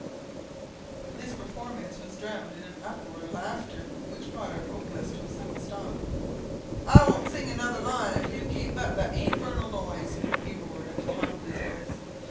This performance was drowned in an uproar of laughter, which brought our vocalist to a sudden stop. "I won't sing another line if you keep up that infernal noise," he roared at the top of his voice.